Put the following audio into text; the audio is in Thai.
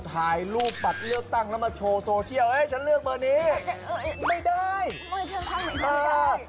ท่ายรูปบัตรเลือกตั้งแล้วมาโชว์โซเชียลเฮ้ยฉันเลือกเบอร์เนธ